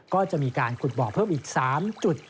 ก็จะมีการขุดบ่อเพิ่มอีก๓จุด